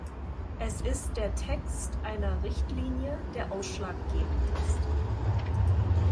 Es ist der Text einer Richtlinie, der ausschlaggebend ist.